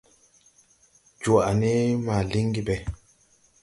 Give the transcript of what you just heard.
Jwaʼ ne ma liŋgi ɓɛ.